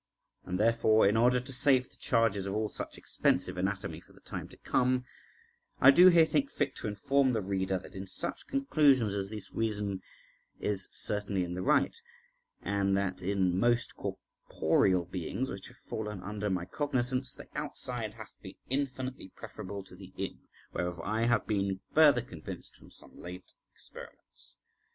And therefore, in order to save the charges of all such expensive anatomy for the time to come, I do here think fit to inform the reader that in such conclusions as these reason is certainly in the right; and that in most corporeal beings which have fallen under my cognisance, the outside hath been infinitely preferable to the in, whereof I have been further convinced from some late experiments.